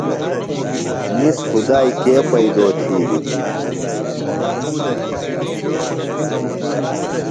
نِس خُدائی کے پیئدو تِھیلیۡ ہِنیۡ۔